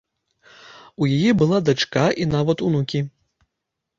У яе была дачка і нават унукі.